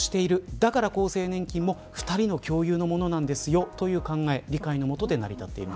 だから厚生年金を２人の共有のものなんですよという理解のもとで成り立っている。